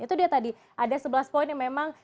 itu dia tadi ada sebelas poin yang memang